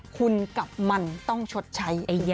คุณกับมันต้องชดใช้